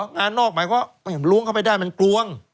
งานนอกหมายความล้วงเข้าไปได้มันกลวง